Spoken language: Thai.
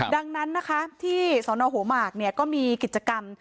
ดังนั้นนะคะที่สนโหมากก็มีกิจกรรม